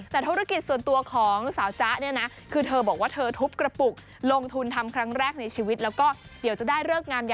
แต่ธุรกิจส่วนตัวของสาวจ๊ะเนี่ยนะ